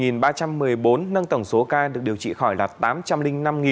nâng tổng số ca được điều trị khỏi là tám trăm linh năm chín trăm bảy mươi tám ca